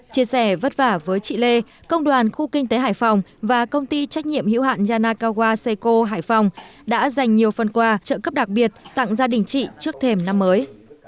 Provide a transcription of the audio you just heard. chia sẻ vất vả với chị lê công đoàn khu kinh tế hải phòng và công ty trách nhiệm hữu hạn yanakawaseco hải phòng đã dành nhiều phần quà trợ cấp đặc biệt tặng gia đình chị trước thềm năm mới